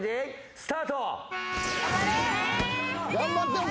スタート。